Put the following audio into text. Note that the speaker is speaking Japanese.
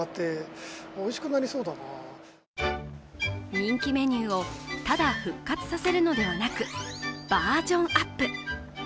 人気メニューをただ復活させるのではなくバージョンアップ。